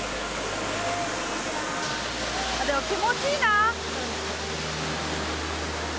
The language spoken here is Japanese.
でも気持ちいいな。